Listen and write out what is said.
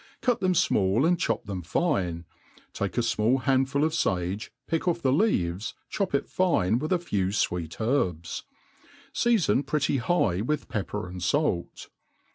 cut them fmall and chop them fine,' take a fmall handfai o£ fage, pick ofi^the leaves, chop it fine, with a few fweet herbs ^ feafon pretty high with pepper an^ fait.